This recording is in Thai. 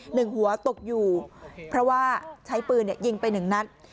หนึ่งหัวตกอยู่เพราะว่าใช้ปืนยิงไปหนึ่งนัด